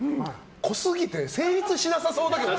濃すぎて、成立しなさそうだけど。